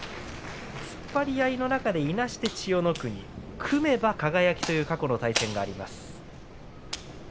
突っ張り合いの中でいなして千代の国組めば輝という過去の対戦があります。